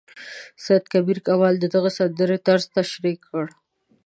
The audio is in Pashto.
سید کبیر کمال د دغې سندرې طرز تشریح کړ.